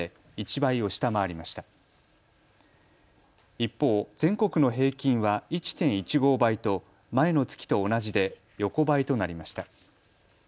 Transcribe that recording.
一方、全国の平均は１．１５倍と前の月と同じで横ばいとなりました。